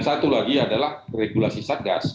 satu lagi adalah regulasi satgas